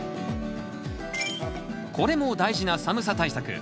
これも大事な寒さ対策。